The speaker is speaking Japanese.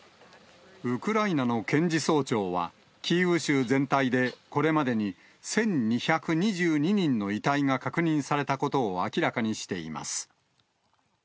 ウクライナの検事総長は、キーウ州全体でこれまでに１２２２人の遺体が確認されたことを明らかにしています。